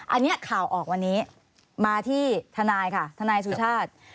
อันนี้ข่าวออกวันนี้มาที่ทนายค่ะทนายสุชาติ